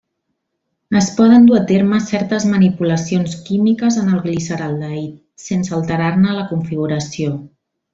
Es poden dur a terme certes manipulacions químiques en el gliceraldehid sense alterar-ne la configuració.